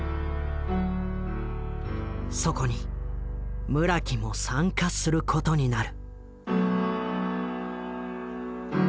そこに村木も参加することになる。